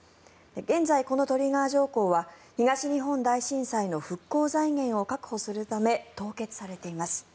現在、このトリガー条項は東日本大震災の復興財源を確保するため凍結されています。